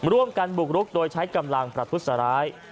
ร่วมกันบุกรุกโดยใช้กำลังประทุษร้าย